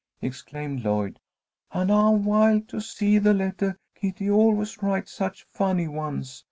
exclaimed Lloyd. "And I'm wild to see the lettah. Kitty always writes such funny ones.